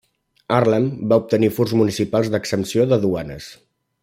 Haarlem va obtenir furs municipals d'exempció de duanes.